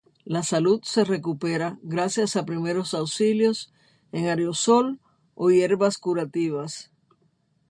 La salud se recupera gracias a primeros auxilios en aerosol o hierbas curativas.